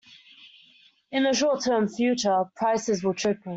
In the short term future, prices will triple.